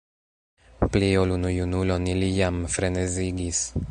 Pli ol unu junulon ili jam frenezigis.